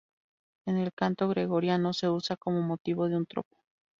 En el canto gregoriano se usa como motivo de un tropo.